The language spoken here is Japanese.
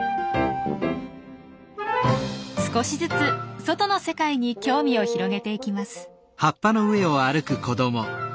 少しずつ外の世界に興味を広げていきます。